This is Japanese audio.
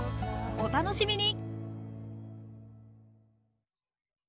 お楽しみに！